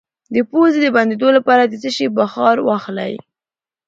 د پوزې د بندیدو لپاره د څه شي بخار واخلئ؟